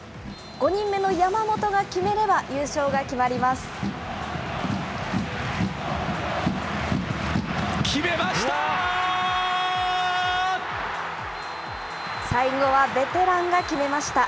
５人目の山本が決めれば優勝が決決めました。